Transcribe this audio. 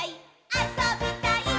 あそびたいっ！！」